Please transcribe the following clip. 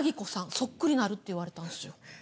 ソックリなるって言われたんですよ。